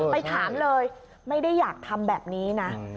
ไปถามเลยไม่ได้อยากทำแบบนี้นะ